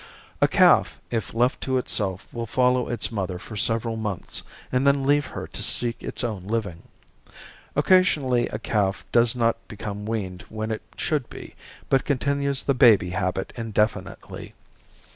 A calf, if left to itself, will follow its mother for several months and then leave her to seek its own living. Occasionally a calf does not become weaned when it should be, but continues the baby habit indefinitely.